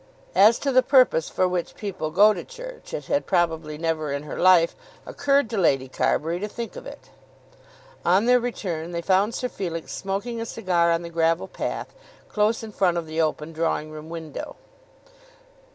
As to the purpose for which people go to church, it had probably never in her life occurred to Lady Carbury to think of it. On their return they found Sir Felix smoking a cigar on the gravel path, close in front of the open drawing room window.